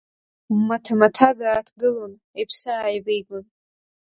Маҭа-маҭа дааҭгылан иԥсы ааивигон.